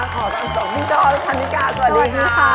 ขอบคุณสองพี่จ้อนคันนิกาสวัสดีค่ะ